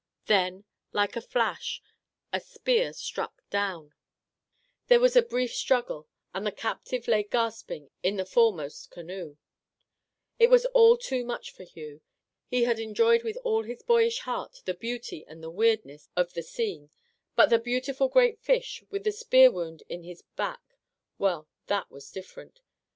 Then, like a flash, a spear struck down, there was 68 Our Little Canadian Cousin a brief struggle, and the captive lay gasping in the foremost canoe. It was too much for Hugh. He had enjoyed with all his boyish heart the beauty and the weirdness of the scene, but the beautiful great fish, with the spear wound in his back, — well, that was different.